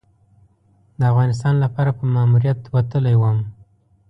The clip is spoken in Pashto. د افغانستان لپاره په ماموریت وتلی وم.